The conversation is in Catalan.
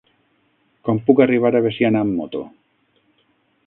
Com puc arribar a Veciana amb moto?